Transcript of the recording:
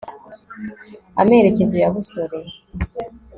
amerekezo ya busole